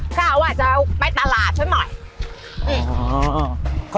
ข้าว่าจะไปตลาดใช่ไหม